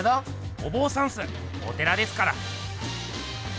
おぼうさんっすお寺ですから。